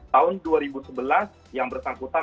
tahun dua ribu sebelas yang bersangkutan